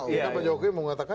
udah pak jokowi mau mengatakan